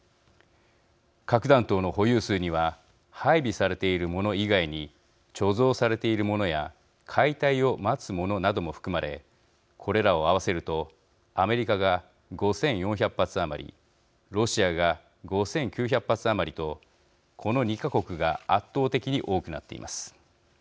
核弾頭の保有数には配備されているもの以外に貯蔵されているものや解体を待つものなども含まれこれらを合わせるとアメリカが５，４００発余りロシアが５，９００発余りとこの２か国が圧倒的に多くなっています。